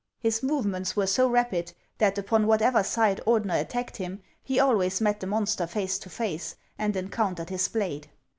His movements were so rapid that upon whatever side Ordener attacked him, he always met the monster face to face, and encountered his blade.